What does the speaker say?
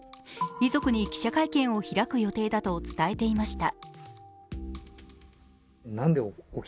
遺族に記者会見を開く予定だと伝えていました。